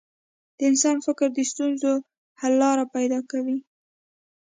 د انسان فکر د ستونزو حل لارې پیدا کوي.